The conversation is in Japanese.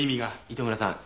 糸村さん